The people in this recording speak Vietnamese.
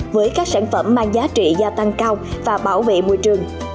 với các sản phẩm mang giá trị gia tăng cao và bảo vệ môi trường